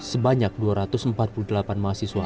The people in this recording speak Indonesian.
sebanyak dua ratus empat puluh delapan mahasiswa